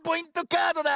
カードだ！